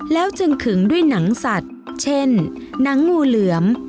แล้วจึงขึงด้วยหนังสัตว์เช่นหนังงูเหลือม